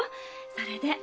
それで。